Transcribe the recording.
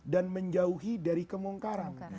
dan menjauhi dari kemungkaran